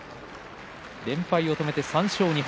連敗を止めて３勝２敗。